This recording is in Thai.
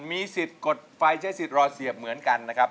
มีสิทธิ์กดไฟใช้สิทธิ์รอเสียบเหมือนกันนะครับ